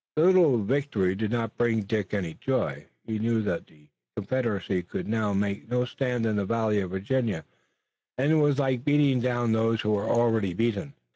The little victory did not bring Dick any joy. He knew that the Confederacy could now make no stand in the Valley of Virginia, and it was like beating down those who were already beaten.